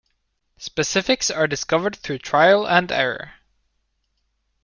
Specifics are discovered through trial and error.